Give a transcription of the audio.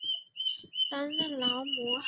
担任劳模。